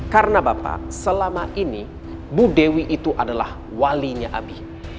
karena bapak selama ini bu dewi itu adalah walinya abi